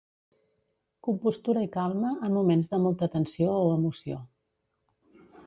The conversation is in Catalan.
Compostura i calma en moments de molta tensió o emoció.